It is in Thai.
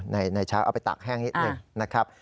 ในเช้าเอาไปตากแห้งนิดหนึ่งนะครับ